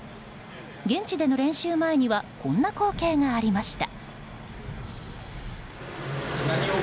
現地での練習前にはこんな光景がありました。